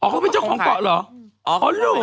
เขาเป็นเจ้าของเกาะเหรอ